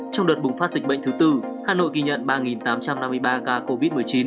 trong đợt bùng phát dịch bệnh thứ tư hà nội ghi nhận ba tám trăm năm mươi ba ca covid một mươi chín